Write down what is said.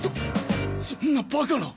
そそんなバカな！